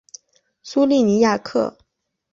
苏利尼亚克。